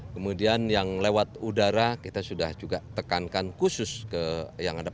kemudian yang lewat udara kita sudah juga tekankan khusus ke yang ada